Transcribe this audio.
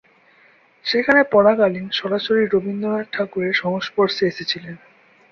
সেখানে পড়াকালীন সরাসরি রবীন্দ্রনাথ ঠাকুরের সংস্পর্শে এসেছিলেন।